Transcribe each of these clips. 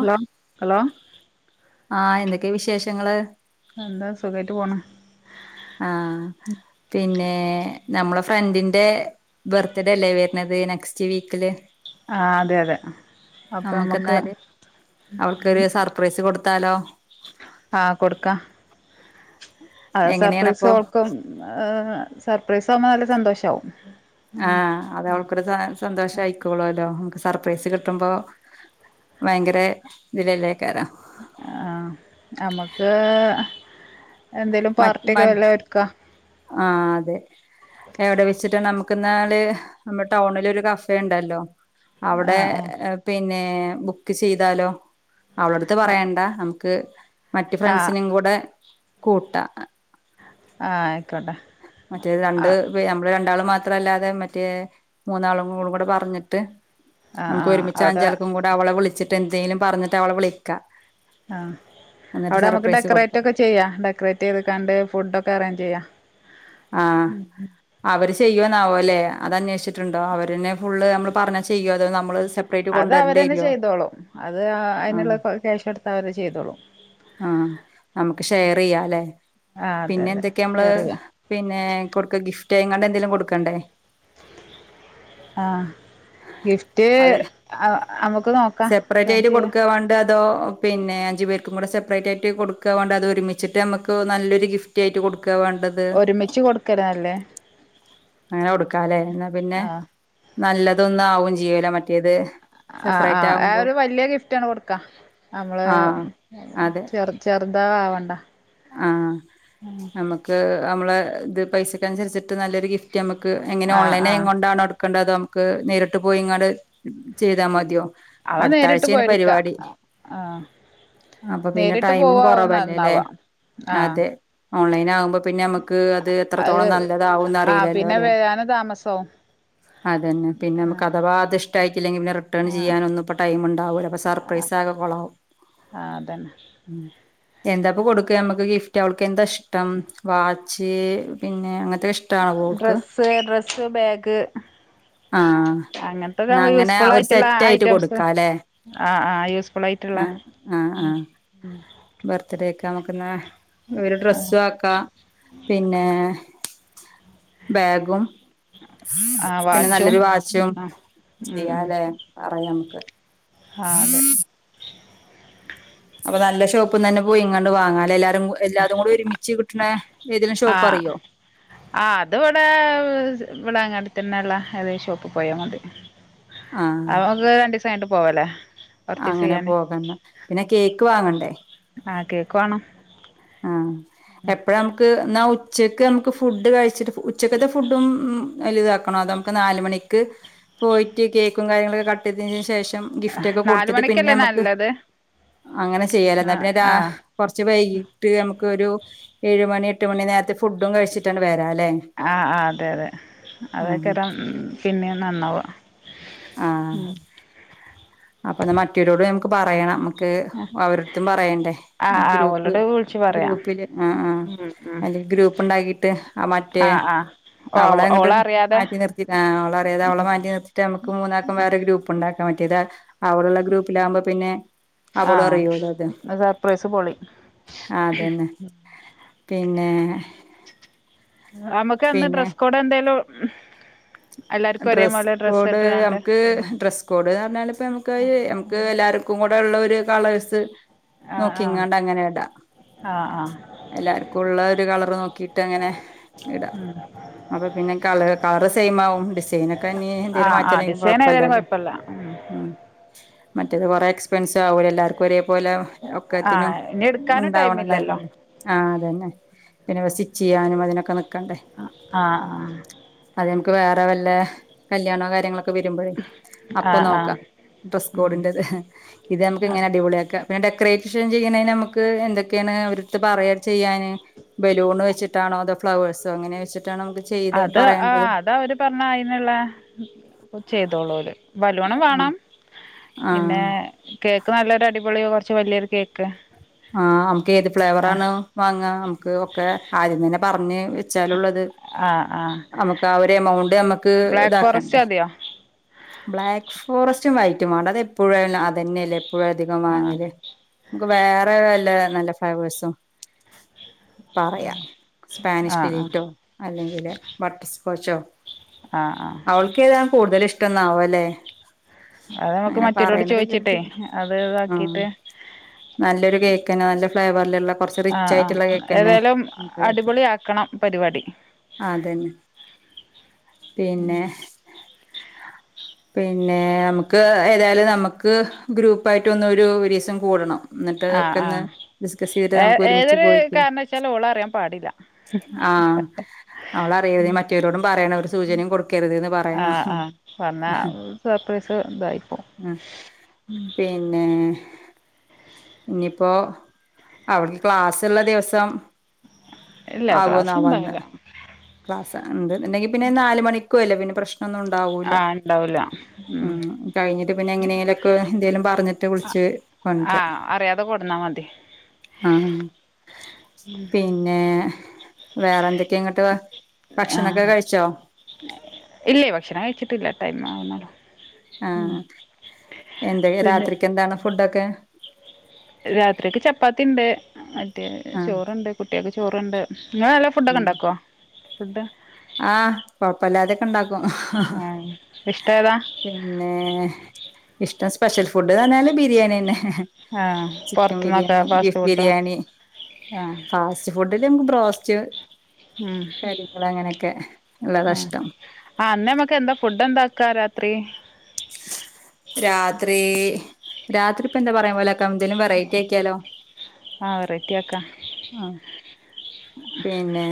Hello hello ആഹ് എന്തൊക്കെയ വിശേഷങ്ങള് എന്താ സുഖമായിട്ട് പോണു ആഹ് പിന്നെ നമ്മളെ ഫ്രണ്ടിന്റെ ബർത്ത്ഡേ അല്ലേ വരനത് നെക്സ്റ്റ് വീക്കില് ആഹ് അതെ അതെ അപ്പം നമുക്ക് നമുക്കെന്നാല് അവൾക്കൊരു സർപ്രൈസ് കൊടുത്താലോ ആഹ് കൊടുക്കാം അ സർപ്രൈസ് എങ്ങനെയാണപ്പൊ അവൾക്കും ആഹ് സർപ്രൈസ ആകുമ്പോ നല്ല സന്തോഷമാവും ആഹ്അതെ അവൾക്കൊരു സ സന്തോഷം ആയിക്കോളൂല്ലോ അവൾക്ക് സർപ്രൈസ് കിട്ടുമ്പോ ഭയങ്കര ഇതിലയിലേക്കാരോ ആഹ് ഞമ്മക്ക് എന്തേലും മറ്റ് പാർട്ടിയൊക്കെ മ വല്ല ഒരുക്കാ ആഹ് അതെ എവിടെ വെച്ചിട്ട് നമുക്ക്ന്നാല് നമ്മുടെ ടൗണില് ഒരു കഫേ ഉണ്ടല്ലോ ആ അവിടെ പിന്നെ ബുക്ക് ചെയ്താലോ അവള അടുത്ത് ആ പറയണ്ട നമുക്ക് മറ്റ് ആ ഫ്രണ്ട്സിനും കൂടെ കൂട്ട ആ ആയിക്കോട്ടെ മറ്റേത് ആ രണ്ട് നമ്മള് രണ്ടാളും മാത്രല്ലാതെ മറ്റേ മൂന്നാളും കൂടെ പറഞ്ഞിട്ട് ആ ആ നമുക്ക് ഒരുമിച്ച അവിടെ അഞ്ചാൾക്കും കൂടെ അവളെ വിളിച്ചിട്ട്ന്തേലും പറഞ്ഞിട്ട് അവളെ വിളിക്കാം ആഹ് അവിടെ നമുക്ക് കൊടുക്കാം ഡെക്കറേറ്റ് ഒക്കെ ചെയ്യാം ഡെക്കറേറ്റ് ചെയ്ത് കണ്ട് ഫുഡ ഒക്കെ അറേഞ്ച് ചെയ്യാം ആഹ് അവര് ചെയ്യോന്നാവോ അല്ലെ അത് അന്വേഷിച്ചിട്ടുണ്ടോ അവര ഫുള്ള് നമ്മള് പറഞ്ഞാ ചെയ്യോ അതോ നമ്മള് സെ അത് അവരന്നെ ചെയ്തോളും അത് അതിനുള്ള ആഹ് ക്യാഷ് കൊടുത്ത അവരെ ചെയ്തോളും ആഹ് നമ്മക്ക് ഷെയർ ചെയ്യാംല്ലെ ആ അതെ പിന്നെ അതെ എന്തൊക്കെയാ നമ്മള് ഷെയർ ചെയ്യാം പിന്നെ കൊടുക്ക ഗിഫ്റ്റ്യ്ങ്ങള എന്തെങ്കിലും കൊടുക്കണ്ടേ ആഹ് ഗിഫ്റ്റ് അത് അനമുക്ക് നോക്കാം സെപ്പറേറ്റ് പ്ലാൻ ആയിട്ട ചെയ്യാം കൊടുക്കാ വ അതോ പിന്നെ അഞ്ചു പേർക്കും കൂടെ സെപ്പറേറ്റ് ആയിട്ട് കൊടുക്കുക വേണ്ട് അതൊ ഒരുമിച്ചിട്ട് നമുക്ക് നല്ലൊരു ഗിഫ് റ്റ്ആയിട്ട് കൊടുക്കുക വാണ്ടത് ഒരുമിച്ച് കൊടുക്കരാന്നല്ലേ അങ്ങനെ കൊടുക്കാലേ എന്നാ പിന്നെ ആ നല്ലതൊന്നും ആവും ചെയ്യൂലെ മറ്റേത് ആഹ് സെപ്പറേറ്റ് ആഹ് ആഹ് ആവുമ്പോ ഒരു വലിയ ഗിഫ്റ്റ് ആണ് കൊടുക്കുക. നമ്മള് ആഹ് അതെ ചെർ ചെറുതാ ആവണ്ട ആഹ് നമുക്ക് നമ്മള് ഇത് പൈസക്ക അനുസരിച്ചിട്ട് നല്ലൊരു ഗിഫ് റ്റമ്മക്ക് എങ്ങനെ ആ ഓൺലൈൻ ആ ആയിക്കൊണ്ടാണോട് ക്കണ്ടതോ നമുക്ക് നേരിട്ട് പോയി ഇങ്ങാട് ചെയ്താ മതിയോ അവ നേരിട്ട് അടുത്താഴ്ചയിന് പോയെടുക്കാ പരിപാടി ആ അപ്പൊ പിന്നെ നേരിട്ട് ടൈമും പോവാവും കൊറവല്ലേല്ലേ നന്നാവാ ആ അതെ ഓൺലൈൻ ആകുമ്പോ പിന്നെ നമുക്ക് അത് അത് എത്രത്തോളം നല്ലതാവൂ ന്ന് ആ അറിയില്ലല്ലോ പിന്നെ വെരാനും താമസാവും അതെന്നെ പിന്നെ നമ്മക്ക് അഥവാ അത് ഇഷ്ട്ടായിട്ടില്ലെങ്കിൽ പിന്നെ റി റിട്ടേൺ ആ ചെയ്യാനൊന്നും ഇപ്പോ ടൈം ഉണ്ടാവൂല അപ്പൊ സർപ്രൈസാകെ കൊളാവും ആഹ് അതന്നെ ഉം എന്താപ്പൊ കൊട് ക്കാ നമ്മക്ക് ഗിഫ്റ്റ് അവൾക്ക് എന്താ ഇഷ്ടം വാച്ച് പിന്നെ അങ്ങനത്തെ ഇഷ്ട ഡ്രസ്സ് ഡ്രസ്സ് ബാഗ് ആഹ് ന്നാ അങ്ങനത്തൊക്കെ അങ്ങനെ യൂസ്ഫുൾ ഒരു ആയിട്ടുള്ള സെറ്റ് ആയിട്ട് ഐറ്റംസ് കൊടുക്കാല്ലേ ആഹ് ആഹ് യൂസ്ഫുൾ ആയിട്ടുള്ള ആഹ് ആഹ് ആഹ് ബർത്ത്ഡേക്ക് നമുക്ക്ന്നാ ഒരു ഡ്രെസ്സും ആക്കാ പിന്നെ ബാഗും ആഹ് പിന്നെ വാച്ചും നല്ലൊരു വാച്ചും ആഹ് ഉം ഉം ചെയ്യാല്ലേ പറയാം നമുക്ക് ആഹ് അതെ അപ്പൊ നല്ല ഷോപ്പ്ന്നന്നെ പോയിങ്ങാണ്ട് വാങ്ങാല്ലെ എല്ലാരും എല്ലാതും കൂടി ഒരുമിച്ച് കിട്ട്ണെ ആഹ് ആഹ് അത് ഇവിടേ ഇവിടെ അങ്ങാടി തന്നെ ഇള്ളെ ഏതേം ഷോപ്പ് പോയാ മതി [inaudible] ആഹ് അപ്പോ നമ്മക്ക് രണ്ടീസം കഴിഞ്ഞിട്ട് പോവല്ലേ അങ്ങനെ പോകന്നാ പിന്നെ കേക്ക് വാങ്ങണ്ടേ ആഹ് കേക്ക് വാണം ആഹ് എപ്പോഴ നമുക്ക് എന്നാ ഉച്ചക്ക് നമുക്ക് ഫുഡ് കഴിച്ചിട്ട് ഉച്ചക്കത്തെ ഫുഡും ഉം അയില് ഇതാക്കണോ അതൊ നാലുമണിക്ക് പോയിട്ട് കേക്കും കാര്യങ്ങളൊക്കെ കട്ട് ചെയ്തതിന് ശേഷം ഗിഫ്റ്റ് ഒക്കെ നാല് കൊടുത്തിട്ട് പിന്നെ മണിക്കല്ലേ നമ്മക്ക് നല്ലത് അങ്ങനെ ചെയ്യലേ ന്നാ ആഹ് പിന്നെ രാ ആഹ് കൊറച്ച് വൈകിട്ട് നമുക്ക് ഒരു ഏഴ് മണി എട്ട് മണി നേരത്ത് ഫുഡും കഴിച്ചിടട്ടാണ്ട് വരാല്ലേ ആഹ് ആഹ് അതെ അതെ ആഹ് അതൊക്കെരാം പിന്നേം നന്നാവാ ആഹ് അപ്പൊ ന്ന മറ്റൊരോട് നമുക്ക് പറയണം നക്ക് അവറെട്ത്തും പറയണ്ടേ ആഹ് ആഹ് ഗ്രൂപ്പ് ഓലോട് വിളിച്ചു പറയാം ഗ്രൂപ്പില് ആഹ് ആഹ് ഉം ഉം അല്ലെങ്കിൽ ഗ്രൂപ്പ് ഉണ്ടാക്കിട്ട് ആഹ് മറ്റേ അവളെ ഓഹ് അങ്ങട്ട് ഓളറിയാതെ മാറ്റി നിർത്തീട്ട് ആഹ് അവളെ അറിയാതെ അവളെ മാറ്റി നിർത്തി മറ്റെ നമുക്ക് മൂന്നാക്കും വേറെ ഗ്രൂപ്പ് ഉണ്ടാക്കാൻ പറ്റിയത് അവള് ള്ള ഗ്രൂപ്പിലാകുമ്പോ പിന്നെ അവളും ആഹ് അറിയോലൊ അതെ സർപ്രൈസ് പൊളി ആഹ് അതന്നെ പിന്നെ നമുക്ക് അന്ന് പിന്നെ ഡ്രെസ് കോഡ് എന്തേലും എല്ലാർക്കും ഡ്രസ്സ് ഒരേപോലെ കോഡ് ഇട്ട്കാണ്ട് നമുക്ക് ആഹ് ഡ്രസ്സ് കൂട്ന്ന് പറഞ്ഞ ഇപ്പ നമുക്ക് നമുക്ക് എല്ലാവർക്കും കൂടെ ഉള്ള ഒരു കളേഴ്സ് നോക്കി ആഹ് ഇങ്ങാണ്ട അങ്ങനെടാ ആഹ് ആഹ് ആഹ് എല്ലാർക്കും ഉള്ള ഒരു കളർ നോക്കിട്ട് അങ്ങനെ ഇടാം ഉം അപ്പൊ പിന്നെ ക കറ കളർ സൈമാവും അയ്നോക്കെ ഇഞ് എന്തലും ആഹ് ആഹ് മാറ്റണ്ടെങ്കില ഡിസൈൻ ഏതായാലും കുഴപ്പല്ലല്ലോ കൊഴപ്പല്ല ഉം മറ്റേ കൊറെ പെൻസ ആകൂല എല്ലാർക്കും ഒരേപോലെ ഒക്കത്തിനും ആഹ് ഇനി എടുക്കാനും ഉണ്ടാവണം ടൈമില്ലല്ലോ എന്നല്ലല്ലോ ആഹ് അതന്നെ പിന്നെ സ്റ്റിചെയ്യാനും അതിനൊക്കെ നിക്കണ്ടേ ആഹ് ആഹ് അത നമക്ക് വേറെ വല്ല കല്യാണോ കാര്യങ്ങളൊക്കെ വരുമ്പോഴേ അപ്പൊ ആഹ് ആഹ് നോക്കാം ഡ്രസ്സ് ഉം കോഡിന്റത് ഇത് നമുക്ക് ഇങ്ങനെ അതെ അടിപൊളിയ ആക്കാം പിന്നെ ഡെക്കറേഷൻ ചെയ്യുന്ന നമുക്ക് എന്തൊക്കെയാണ് ഒരിടടുത്ത് പറയാ ചെയ്യാൻ ബലൂൺ വെച്ചിട്ടാണോ അതോ ഫ്ലവേഴ്സോ അങ്ങനെ വെച്ചിട്ടാണ് നമുക്ക് ചെയ്ത് പറയേണ്ടത് പറഞ്ഞാൽ അയ്നുള്ള ഇത് ചെയ്തോളൂല് വലൂണം വേണാം ആഹ് പിന്നെ കേക്ക് നല്ലൊരു അടിപൊളിയോ കുറച്ച് വലിയൊരു കേക്ക് ആഹ് നമുക്ക് ഏത് ഫ്ലേവറ ആ ആണ് വാങ്ങ നമുക്ക് ഒക്കെ ആദ്യം തന്നെ പറഞ്ഞ് വെച്ചാലള്ളത് ആ ആ നമ്മുക്ക് ആ ഒരു എമൗണ്ട് നമ്മക്ക് ബ്ലാക്ക് ഫോറസ്റ്റ് ഇതാക്കണ്ടേ മതിയോ ബ്ലാക്ക് ഫോറസ്റ്റും വൈറ്റും വേണ്ട അത് എപ്പോഴ അത് തന്നെയല്ലേ എപ്പോഴും അധികം ആ വാങ്ങല് നമക്ക് വേറെ വല്ല നല്ല ഫൈവ്വേഴസും പറയാ ആ സ്പാനിഷ് ടിലീറ്റോ അല്ലെങ്കില് ബട്ടർസ്കോച്ചോ ആഹ് ആഹ് അവൾക്കെതാ കൂടുതൽ ഇഷ്ടന്നാവും അല്ലേ അത് നമുക്ക് അങ്ങനെ മറ്റോരോട് പറയണത ചോയിച്ചിട്ടേ കേിട്ടില്ല അത് ഉം ഇതാക്കിട്ട് നല്ലൊരു കേക്ക്ന്നെ നല്ല ഫ്ലേവറിലുള്ള കുറച്ച് ആ റിച്ച് ആ ആയിട്ടുള്ള കേക്ക് തന്നെ ഏതായാലും തക്കാം അടിപൊളി ആക്കണം പരിപാടി അതന്നെ പിന്നെ പിന്നെ നമുക്ക് ഏതായാലും നമുക്ക് ഗ്രൂപ്പായിട്ടൊന്ന ഒരു രീസം കൂടണം എന്നിട്ട് ആ ആ ഒന്ന് ഡിസ്കസ് ചെയ്തിട്ട് ഏ നമുക്ക് ഒരുമിച്ച് ഏതൊരു പോയിട്ട് കാരണവശാലും ഓള് അറിയാൻ പാടില്ല ആഹ് അവളറിയരുതേ മറ്റവരോടും പറയണം ഒരു സൂചനയും കൊടുക്കരുത്ന്ന് പറയണം സർപൈസ് ഇതായിപ്പോ ഉം ഉം പിന്നെ ഇന്നി പ്പൊ അവൾക്ക് ക്ലാസ്സിള്ള ദിവസം ഇല്ല ക്ലാസ് ആകോന്നാവോ അന്ന് ഉണ്ടാവില്ല ക്ലാസ് ഉണ്ട്ന്ന്ണ്ടെങ്കിൽ പിന്നെ നാല മണിക്കൂ അല്ലേ പിന്നെ പ്രശ് നം ഒന്നും ഉണ്ടാവൂല്ല ആ ഉണ്ടാവൂല ഉം കഴിഞ്ഞിട്ട് പിന്നെ എങ്ങനെലുക്കെ എന്തേലും പറഞ്ഞിട്ട് വിളിച്ച് കൊണ്ടരാ ആഹ് അറിയാതെ കൊടന്നാ മതി ആഹ് പിന്നെ വേറെന്തൊക്കെയ ഇങ്ങോട്ട് ആഹ് ആഹ് ഇല്ലേയ് ഭക്ഷണം കഴിച്ചിട്ടില്ല ടൈം ആവുന്നളൂ ആഹ് എന്ത പിന്നെ രാത്രിക്ക് എന്താണ് ഫുഡൊക്കെ രാത്രിക്ക് ചപ്പാത്തിണ്ട് മറ്റേ ആഹ് ചോറുണ്ട് കുട്ട്യാക്ക് ചോറ്ണ്ട് ഇങ്ങള് നല്ല ഫുഡൊക്കെ ഉണ്ടാക്കോ ഫുഡ് ആഹ് കൊഴപ്പല്ലാതെയൊക്കെ ഉണ്ടാക്കും ആ ഇഷ്ടം ഏതാ പിന്നെ ഇഷ്ടം സ്പെഷ്യൽ ഫുഡ്ന്ന്റഞ്ഞാല് ബിരിയാണിയന്നെ ആ ചിക്കൻ പുറത്തുന്നൊക്കെ biryani beef fast food biryani ആ ഫാസ് റ്റ് ഫുഡില് ഇൻക്ക് ബ്രാസ്റ്റ് ഉം കാര്യങ്ങള് അങ്ങനെക്കെഇള്ളതാ ഇഷ്ടം ആഹ് അന്നമ്മക്കെന്താ ഫുഡ് എന്താ വെക്കാ രാത്രി രാത്രി, രാത്രി ഇപ്പന്താ പറഞ്ഞ പോലെ ക്കാ എന്തേലും വെറൈറ്റി ആക്കിയാലോ ആഹ് വെറൈറ്റി ആ ആഹ് പിന്നെ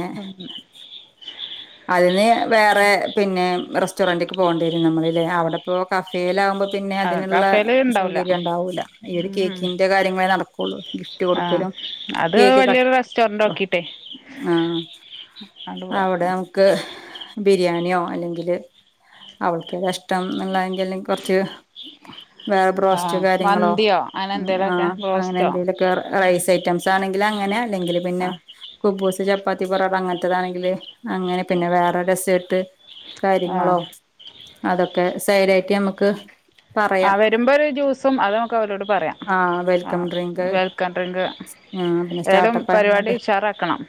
അതിന് വേറെ പിന്നെ റെസ്റ്റോറന്റ്ക്ക് പോണ്ടിയരും നമ്മള്ല്ലേ അവടെപ്പോ കഫേയിലാകുമ്പോ പിന്നെ ആ അതിന്ള്ള കഫേല് ഉണ്ടാവൂല സൗകര്യം ഇണ്ടാവൂല്ല ഈ ഒര് ഉം കേക്കിന്റെ കാര്യങ്ങളേ നടക്കൊള്ളൂ ഗിഫ്റ്റ് ആഹ് കൊട്ക്കലും അത് വല്യൊരു റെസ്റ്റോറന്റ് നോക്കിട്ടെ ആഹ് ആണ്ട് പോവാ അവടെ നമുക്ക് ബിരിയാണിയോ അല്ലെങ്കില് അവൾക്കെതാ ഇഷ് ടം ഇന്ന്ള്ളങ്കില് കൊർച്ച് വേറെ ബ്രോസ്റ്റ് ആഹ് കാര്യങ്ങളോ മന്തിയോ അങ്ങനെ ഹ്മ്മ് എന്തേലൊക്കെ ആഹ് അങ്ങനെ ബ്രോസ്റ്റോ എന്തെലൊക്കെ റൈസ് ഐറ്റംസ് സാണെങ്കില് അങ്ങനെ അല്ലെങ്കിൽ പിന്നെ ആഹ് കുബൂസ് ചപ്പാത്തി പൊറട അങ്ങനൻത്തതാണെങ്കില് അങ്ങനെ പിന്നെ വേറെ രസായിട്ട് ആഹ് കാര്യങ്ങളോ അതൊക്കെ സൈഡായിട്ട് നമ്മക്ക് ആഹ് വരുമ്പൊര് ജ്യൂസും അത് നമുക്ക് അവരോട് പറയാം ആഹ് വെൽക്കം ആഹ് ഡ്രിങ്ക് വെൽക്കം ഡ്രിങ്ക് ആഹ് പിന്നെ ഏതായാലും പരിപാടി സ്റ്റാർട്ടപ്പായിങ്ങാണ്ട് ഉഷാറാക്കണം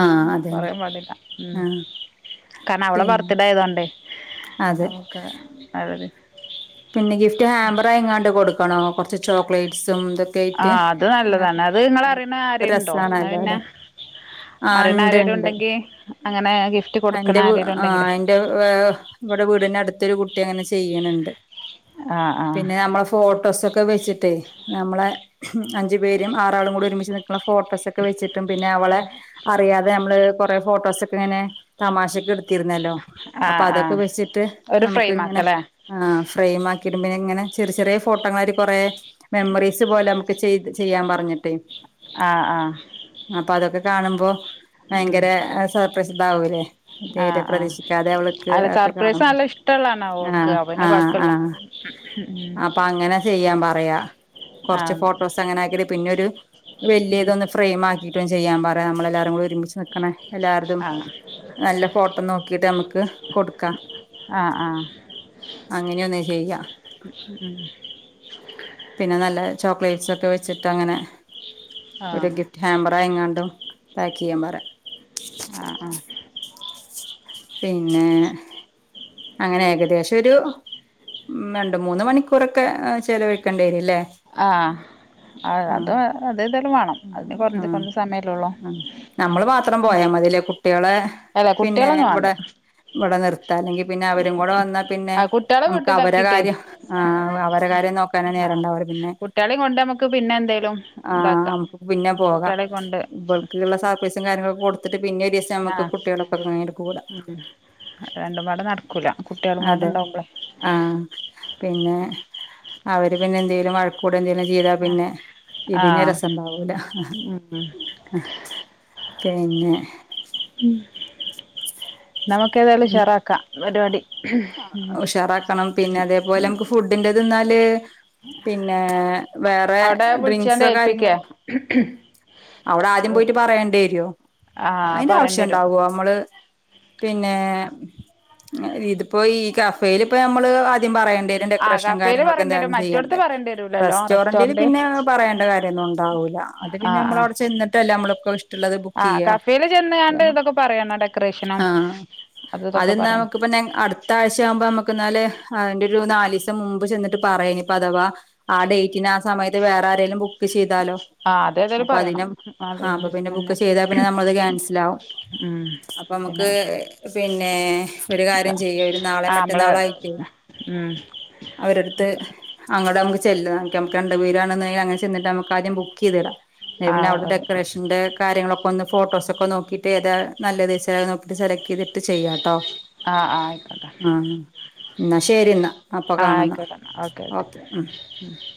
ആഹ് അതന്നെ കൊറയാൻ പാടില്ല ഹ്മ്മ് ആഹ് കാരണം അവളെ പിന്നെ ബർത്ത്ഡേ ആയതോണ്ടേയ് അതെ നമക്ക് അതൊര് പിന്നെ ഗിഫ്റ്റ് ഹാമ്പറായിങ്ങാണ്ട് കൊടുക്കണോ കൊറച്ച് ചോക്ലേ യ്സും ഇതൊക്കെയിട്ട് ആഹ് അത് ആഹ് നല്ലതാണ് നിങ്ങള് അത് അറിയണ അത് ആരേലുണ്ടോ എന്നാ പിന്നെ രസണല്ലോല്ലെ ആഹ് അറിയണ ഇണ്ട് ആരേലും ഇണ്ട് ഉണ്ടെങ്കി അങ്ങനെ ഗിഫ്റ്റ് കൊടുക്കണ അന്റെ വീ ആരേലും ആഹ് ഉണ്ടെങ്കിലേ അയിന്റെ ആഹ് ഇവടെ വീടിനടുത്തൊരു കുട്ടി അങ്ങനെ ചെയ്യ്ണ് ണ്ട് ആഹ് ആഹ് പിന്നെ നമ്മളെ ഫോട്ടോസൊക്കെ വെച്ചിട്ടെ നമ്മളെ അഞ്ച് പേരും ആറാളും കൂടി ഒരുമിച്ച് നിക്ക് ണ ഫോട്ടോസൊക്കെ വെച്ചിട്ടും പിന്നെ അവളെ അറിയാതെ നമ്മള് കൊറെ ഫോട്ടോസൊക്കെങ്ങനെ തമാശക്കെട് ത്തിരുന്നല്ലോ അപ്പ ആഹ് അതൊക്കെ ആഹ് വെച്ചിട്ട് ഒരു നമുക്ക് ഫ്രെയിം ഇങ്ങനെ ആക്കല്ലേ ആഹ് ഫ്രെയിംമാക്കിയിയരും പിന്നെ ഇങ്ങനെ ചെറിയെ ചെറിയ ഫോട്ടങ്ങളാരി കൊറേ മെമ്മറീസ് പോലെ നമക്ക് ചെയ് ചെയ്യാൻ പറഞ്ഞിട്ടേ ആഹ് ആഹ് ആഹ് അപ്പ അതൊക്കെ കാണുമ്പോ ഉം ഭയങ്കര സർപ്രയ്സ് ഇതാവൂലേ തീരെ ആഹ് ആഹ് പ്രതീക്ഷിക്കാതെ അവൾക്ക് അല്ല ഒക്കെ സർപ്രൈസ് കാണുമ്പോ നല്ല ഇഷ്ടള്ളാണ് ഓൾക്ക് ആഹ് അപ്പ പിന്നെ ആഹ് ആഹ് കൊഴപ്പല്ല ആ ഉം ഹ് അപ്പ അങ്ങന ചെയ്യാംപറയാ കൊർച്ച് ഫോ ആഹ് അതെ ഫോട്ടോസങ്ങനെ ആക്കിട്ട് പിന്നൊരു വെല്ല്യതൊന്ന് ഫ്രെയ്മാക്കീ ട്ടും ചെയ്യാൻ പറയാ നമ്മളെല്ലാരും കൂടെ ഒരുമിച്ച് നിക്ക്ണെ എല്ലാര്തും ആഹ് നല്ല ഫോട്ടം നോക്കീട്ട് നമക്ക് കൊടുക്കാം. ആഹ് ആഹ് അങ്ങനെയൊന്ന് ചെയ്യാ ഹ്മ്മ് പിന്നെ നല്ല ചോക്ലേറ്റ്സൊക്കെ വെച്ച്ട്ടങ്ങനെ ആഹ് ഒര് ഗിഫ്റ്റ് ഹാമ്പറായിങ്ങാണ്ടും പേക്കെയ്യാൻ പറയാ ആഹ് ആഹ് പിന്നേ അങ്ങനെ ഏകദേശൊരു ഉം രണ്ട് മൂന്ന് മണിക്കൂറക്കെ ചെലവഴിക്കണ്ടി വരുല്ലേ ആഹ് അ അതു ആഹ് അതേതായാലും വേണം അതിന് കൊറഞ്ഞ ആഹ് കൊറഞ്ഞ സമയല്ലേ ഒള്ളൂ ആഹ് നമ്മള് മാത്രം പോയാ മതില്ലേ കുട്ടികളെ അതാ കുട്ടികളൊന്നു വാണ്ട ഇവട നിർ ത്താണെങ്കി അല്ലെങ്കി പിന്നെ അവരും കൂട വന്നാ പിന്നെ ആഹ് കുട്ടികളെ നമുക്ക് അവര വീട്ടിലാക്കിട്ടേ കാര്യം ആഹ് അവ അവര കാര്യം നോക്ക നേ ആഹ് നേരണ്ടാവര് പിന്നെ കുട്ടികളെയും കൊണ്ട് നമുക്ക് പിന്നെ എന്തേലും ആഹ് ഇതാക്കാം [unintelligible] പിന്നെ പോകാം കുട്ടികളെ കൊണ്ട് ഇബൾക്ക്ള്ള സർപ്രൈസും കാര്യങ്ങളൊക്കെ കൊടുത്തിട്ട് പിന്നൊരീസം ആഹ് ഉം രണ്ടും പാടെ നടക്കൂല കുട്ടികളും അതെ പാടെണ്ടാവുമ്പളെ ആഹ് പിന്നെ അവര് പിന്നെ എന്തേലും വഴക്കു ക്കൂടെന്തേലും ചെയ്താ പിന്നെ ഇതിന് ആഹ് രസണ്ടാവൂല ഉം അഹ് പിന്നെ ഉം ഇന്നാ വെക്ക് ക്കേതായാലും ഉഷാറാക്കാം പരിപാടി ഉം ഉം അതിന്റത് ന്നാല് പിന്നെ വേറെ അവിടെ വിളിച്ചാണ്ട് ഡ്രിങ്ക്സോ ഏൽപ്പിക്കേ കാര്യങ്ങളോ അവ്ടാദ്യം പോയിട്ട് പറയണ്ടേരോ ആഹ് പറയേണ്ടി വരും അയിന്റാവശ്യണ്ടാവോ അമ്മള് പിന്നെ ഇതിപ്പോ ഈ കഫേലിപ്പോ ഞമ്മള് ആദ്യം പറയണ്ടേ ആഹ് ഡെക്കറേഷ്നും കഫേല് കാര്യങ്ങളൊക്കെ പറയേണ്ടി എന്തായാലും വരും മറ്റോടത്ത് ചെയ്യണ്ടേ പറയേണ്ടി വരൂലല്ലോ റെസ്റ്റോറന്റില് റെസ്റ്റോറന്റ് പിന്നാ പറയേണ്ട കാര്യോന്നും ഉണ്ടാവൂല്ല അത് പിന്നെ ആഹ് ആഹ് അമ്മളവിടെ ചെന്ന്ട്ടല്ലെ നമ്മളൊക്ക ഇഷ് ആഹ് കഫേല് ചെന്ന്ങ്ങാണ്ട് ഇതൊക്കെ പറയണോ ഡെക്കറേഷനും അത് ഇതൊക്കെ ന്നാ പറയണം നമുക്ക് പിന്നെ അടു ത്താഴ്ചയാവുമ്പോ നമുക്ക്ന്നാല് അയിന്റൊരു നാലീസം മുമ്പ് ചെന്നിട്ട് പറയനിപ്പ അഥവാ ആ ഡേറ്റിന് ആ സമയത്ത് വേറാരേലും ബുക്ക് ചെയ്താലോ ആഹ് അത് ഏതായാലും അപ്പൊ പറയണം അതിനും അത് ഹാ അപ്പൊ രണ്ടീസം പിന്നെ മുന്നേ ബുക്ക് ചെയ്താ പിന്നെ നമ്മളത് ക്യാൻസലാകും ഉം പിന്നെ അപ്പൊമ്മക്ക് പിന്നെ ഒരു കാര്യം ചെയ്യാ ഒരു നാളെ ആഹ് നമ്മള് മറ്റന്നാളായിട്ടേ ഉം അവരട്ത്ത് അങ്ങടമ്മക്ക് ചെല്ലാം അമ്മക്ക് രണ്ട് പേരാണെന്ന് [unintelligible] ചെന്നിട്ട് നമുക്കാദ്യം ബുക്കെയ്തിടാം [unintelligible] പിന്നെ ആഹ് അവിടത്ത അതെ ഡെക്കറേഷ ന്റെ കാര്യങ്ങളൊക്കെ ഒന്ന് ഫോട്ടോസൊക്കൊ നോക്കീട്ട് ഏതാ നല്ലത്ച്ചാ അത് നോക്കിട്ട് സെലക്ട് ചെയ്തിട്ട് ചെയ്യാട്ടോ ആഹ് ആഹ് ആയിക്കോട്ടെ ആഹ് എന്നാ ശരി എന്നാ അപ്പൊ കാണ ഓക്കെ ഉം ഉം